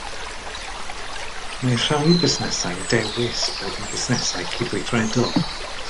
Mae rhai busnesau'n dewis bod yn fusnesau cydweithredol